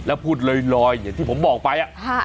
แล้วพูดลอยอย่างที่ผมบอกไป